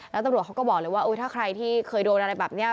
แล้วตำรวจเขาก็บอกเลยว่าถ้าใครที่เคยโดนอะไรแบบนี้